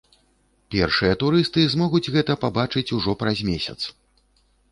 Першыя турысты змогуць гэта пабачыць ужо праз месяц.